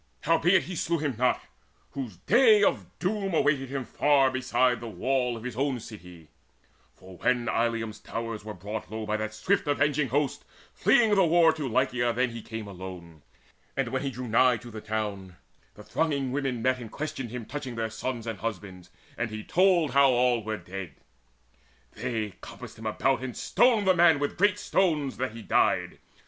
Howbeit he slew him not, whose day of doom Awaited him afar beside the wall Of his own city; for when Illium's towers Were brought low by that swift avenging host Fleeing the war to Lycia then he came Alone; and when he drew nigh to the town, The thronging women met and questioned him Touching their sons and husbands; and he told How all were dead. They compassed him about, And stoned the man with great stones, that he died.